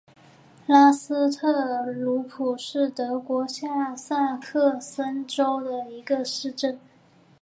拉斯特鲁普是德国下萨克森州的一个市镇。